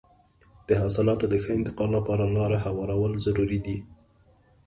د حاصلاتو د ښه انتقال لپاره لاره هوارول ضروري دي.